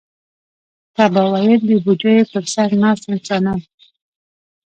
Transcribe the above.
تا به ویل د بوجیو پر سر ناست انسانان.